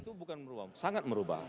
itu bukan merubah sangat merubah